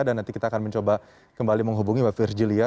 dan nanti kita akan mencoba kembali menghubungi mbak virjilia